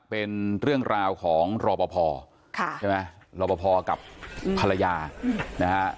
เป็นเรื่องราวของรบพอเหรอไหมครับรบพอกับภรรยานะฮะ